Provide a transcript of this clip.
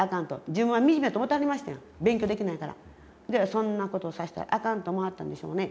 そんなことをさせたらあかんと思わはったんでしょうね。